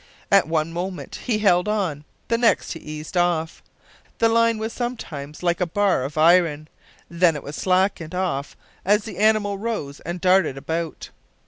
At one moment he held on, the next he eased off. The line was sometimes like a bar of iron, then it was slackened off as the animal rose and darted about.